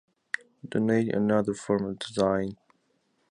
Donate another form of design.